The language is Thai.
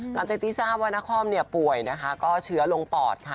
หลังจากที่ทราบว่านครเนี่ยป่วยนะคะก็เชื้อลงปอดค่ะ